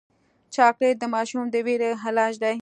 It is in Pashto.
چاکلېټ د ماشوم د ویرې علاج دی.